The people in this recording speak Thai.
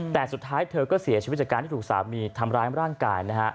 แต่สุดท้ายเธอก็เสียชีวิตจากการที่ถูกสามีทำร้ายร่างกายนะฮะ